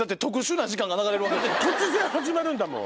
だって突然始まるんだもん。